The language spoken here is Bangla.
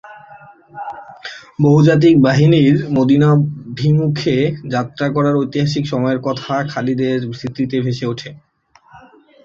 বহুজাতিক বাহিনীর মদীনাভিমুখে যাত্রা করার ঐতিহাসিক সময়ের কথা খালিদের স্মৃতিতে ভেসে উঠে।